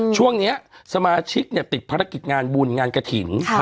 ช่วงนี้สมาชิกติดภารกิจงานบุญงานกระถิ่น